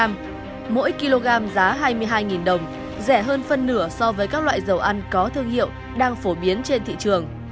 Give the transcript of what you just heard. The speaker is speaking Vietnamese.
mỗi kg giá hai mươi hai đồng rẻ hơn phân nửa so với các loại dầu ăn có thương hiệu đang phổ biến trên thị trường